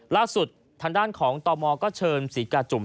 ล่าสุดทางด้านของตมก็เชิญศรีกาจุ่ม